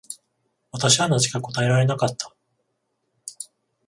私はなぜか答えられなかった。